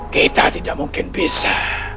kita tidak mungkin bisa